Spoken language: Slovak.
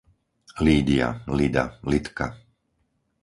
Lýdia, Lyda, Lydka